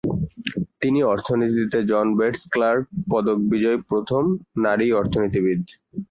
তিনি অর্থনীতিতে John Bates Clark পদক বিজয়ী প্রথম নারী অর্থনীতিবিদ।